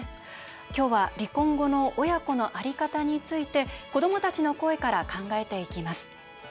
今日は離婚後の親子のあり方について子どもたちの声から考えていきます。